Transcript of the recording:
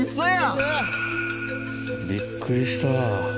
うわびっくりした。